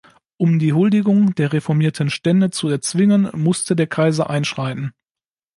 Um die Huldigung der reformierten Stände zu erzwingen musste der Kaiser einschreiten.